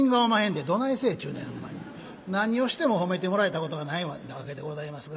何をしても褒めてもらえたことがないわけでございますが。